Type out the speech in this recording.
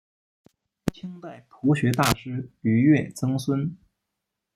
清代朴学大师俞樾曾孙。